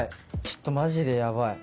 ちょっとマジでヤバい。